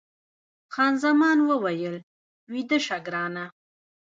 خان زمان وویل، بیده شه ګرانه.